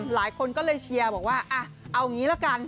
หลายคนก็เลยเชียร์ว่าอ่ะมีอะไรละกัน